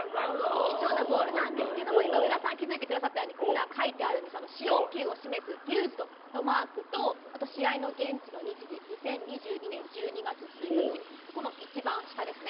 貴重なボールなんですけれども、今、上田さん気付いてくださったように書いてある、使用球を示すＵＳＥＤのマークと、あと試合の現地の日時、２０２２年１２月１日、この一番下ですね。